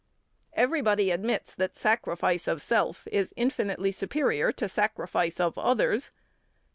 Everybody admits that sacrifice of self is infinitely superior to sacrifice of others.